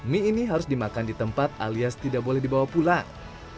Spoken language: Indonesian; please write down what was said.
mie ini harus dimakan di tempat alias tidak boleh dibawa pulang